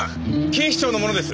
警視庁の者です。